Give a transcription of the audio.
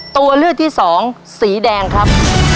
ตัวเลือกที่สองสีแดงครับ